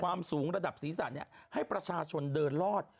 ความสูงระดับสีซ่าเนี่ยให้ประชาชนเดินรอด